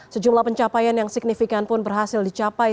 sejumlah pencapaian yang signifikan pun berhasil dicapai